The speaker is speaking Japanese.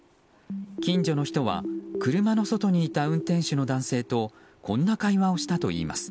近所の人は車の外にいた運転手の男性とこんな会話をしたといいます。